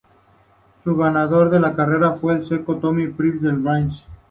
El ganador de la carrera fue el sueco Tommy Prim del Bianchi.